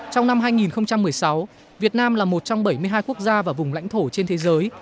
trong năm hai nghìn một mươi sáu việt nam là một trong bảy mươi hai quốc gia và vùng lãnh thổ trên thế giới